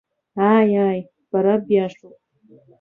Ааи, ааи, бара биашоуп.